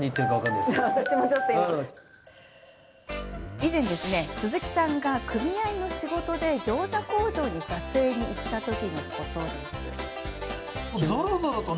以前、鈴木さんが組合の仕事でギョーザ工場に撮影に行った時のこと。